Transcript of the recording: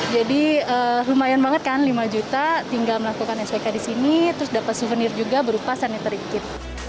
jadi lumayan banget kan lima juta tinggal melakukan spk di sini terus dapat souvenir juga berupa sanitary kit